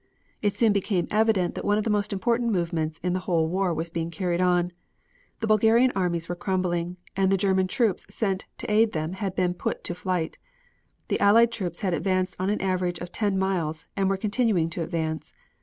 It soon became evident that one of the most important movements in the whole war was being carried on. The Bulgarian armies were crumbling, and the German troops sent to aid them had been put to flight. The Allied troops had advanced on an average of ten miles and were continuing to advance.